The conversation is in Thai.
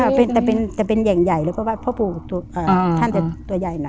ใช่แต่เป็นแต่เป็นแห่งใหญ่เลยเพราะว่าพ่อปู่ตัวอ่าท่านแต่ตัวใหญ่หน่อย